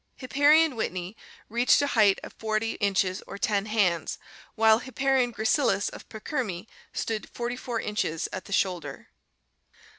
Hipparion whitneyi reached a height of 40 inches or 10 hands, while Hipparion gracilis of Pikermi stood 44 inches at the shoulder.